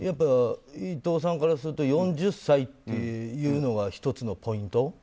伊藤さんからすると４０歳っていうのは１つのポイント？